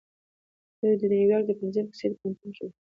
دوی د نيويارک د پنځمې کوڅې په پوهنتون کې وو.